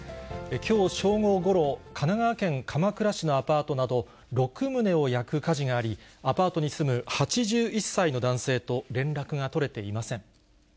きょう正午ごろ、神奈川県鎌倉市のアパートなど６棟を焼く火事があり、アパートに住む８１歳の男性と連絡が取れていません。